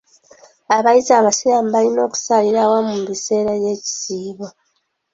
Abayizi abasiraamu balina okusaalira awamu mu biseera by'ekisiibo.